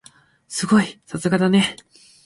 すごい！さすがだね。